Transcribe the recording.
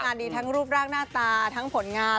ดีทั้งรูปร่างหน้าตาทั้งผลงาน